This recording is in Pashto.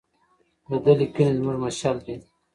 د ده لیکنې زموږ مشعل دي.